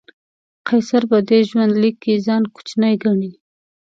قیصر په دې ژوندلیک کې ځان کوچنی ګڼي.